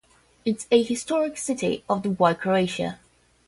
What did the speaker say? It is a historic city of the White Croatia.